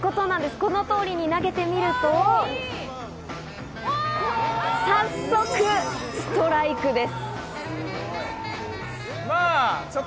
この通りに投げてみると、早速ストライクです。